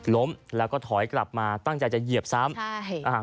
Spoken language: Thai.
ล้มแล้วก็ถอยกลับมาตั้งใจจะเหยียบซ้ำใช่อ่า